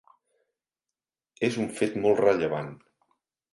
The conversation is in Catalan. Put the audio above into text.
És un fet molt rellevant.